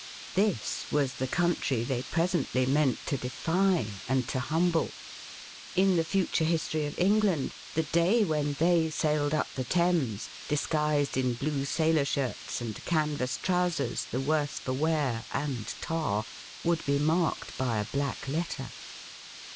This was the country they presently meant to defy and to humble. In the future history of England, the day when they sailed up the Thames, disguised in blue sailor shirts and canvas trousers the worse for wear and tar, would be marked by a black letter.